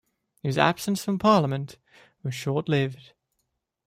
His absence from Parliament was short-lived.